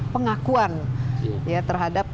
pengakuan ya terhadap